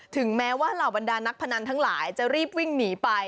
ถึงแม้ว่าเหล่าบรรดานักพนันทั้งหลายจะรีบวิ่งหนีไป